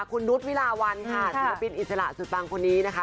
คุณนุษย์วิลาวันค่ะศิลปินอิสระสุดปังคนนี้นะคะ